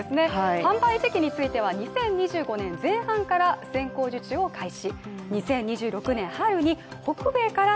販売時期については２０２５年前半から先行受注を開始。